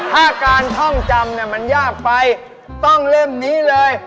ถ้าการท่องจำมันยากไปต้องเล่มนี้เลย